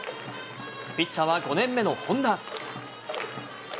ピッチャーは５年目の本田。